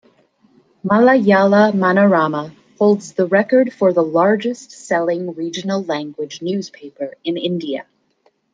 "Malayala Manorama" holds the record for the largest selling regional language newspaper in India.